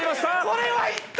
これはいった。